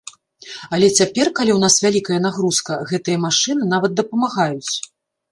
Але цяпер, калі ў нас вялікая нагрузка, гэтыя машыны нават дапамагаюць.